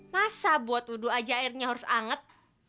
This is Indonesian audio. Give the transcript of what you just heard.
masa buat udu aja airnya harus hangat